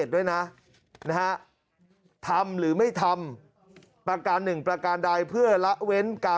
ด้วยนะนะฮะทำหรือไม่ทำประการหนึ่งประการใดเพื่อละเว้นการ